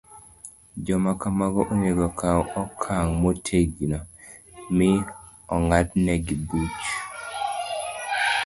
Joma kamago onego okaw okang ' motegno, mi ong'adnegi buch